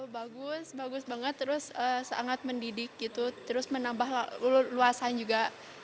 bagus bagus banget terus sangat mendidik gitu terus menambah luasan juga